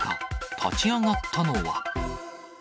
立ち上がったのは。